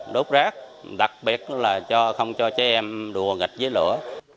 đốt rác đặc biệt là không cho trẻ em đùa nghịch với lửa